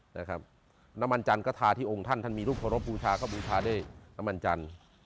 น้ำมันจันทร์ก็ทาที่องค์ท่านท่านมีรูปเคารพบูชาก็บูชาด้วยน้ำมันจันทร์